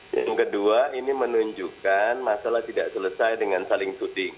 yang kedua ini menunjukkan masalah tidak selesai dengan saling tuding